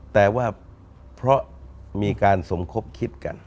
แต่ว่าเพราะมีการสมคบคิดกัน